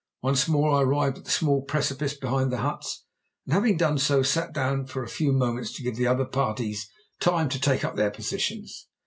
Once more I arrived at the small precipice behind the huts, and, having done so, sat down for a few moments to give the other parties time to take up their positions.